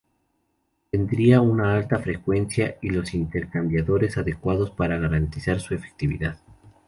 Tendría una alta frecuencia y los intercambiadores adecuados para garantizar su efectividad.